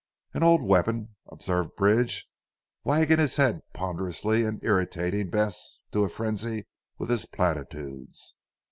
"An old weapon," observed Bridge wagging his head ponderously and irritating Bess to a frenzy with his platitudes.